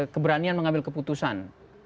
keberanian mengambil keputusan